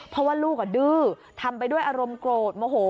เพราะว่าลูกดื้อทำไปด้วยอารมณ์โกรธโมโห